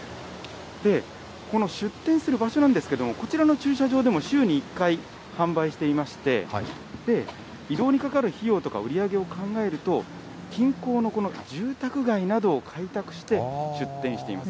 この出店する場所なんですけれども、こちらの駐車場でも週に１回、販売していまして、移動にかかる費用とか売り上げを考えると、近郊の住宅街などを開拓して出店しています。